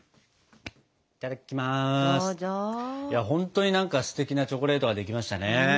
本当に何かステキなチョコレートができましたね。